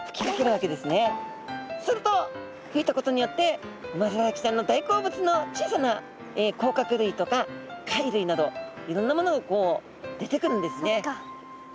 すると吹いたことによってウマヅラハギちゃんの大好物の小さな甲殻類とか貝類などいろんなものが出てくるんですね。